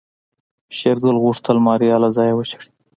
شېرګل غوښتل ماريا له ځايه وشړي.